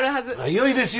よいですよ